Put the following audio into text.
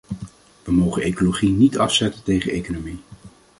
We mogen ecologie niet afzetten tegen economie.